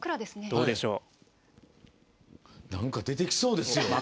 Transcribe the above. なんか出てきそうですよ。